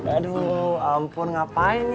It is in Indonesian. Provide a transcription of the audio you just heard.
aduh ampun ngapain ya